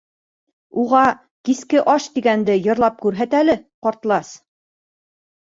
—Уға «Киске аш» тигәнде йырлап күрһәт әле, ҡартлас.